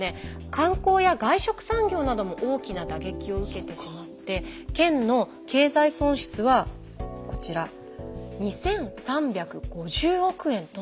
観光や外食産業なども大きな打撃を受けてしまって県の経済損失はこちら２，３５０億円ともいわれているんです。